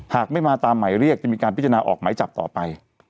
หากไม่มาตามหมายเรียกจะมีการพิจารณาออกหมายจับต่อไป